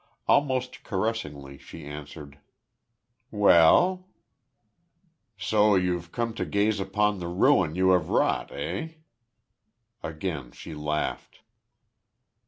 Almost caressingly, she answered: "Well?" "So you've come to gaze upon the ruin you have wrought, eh?" Again she laughed.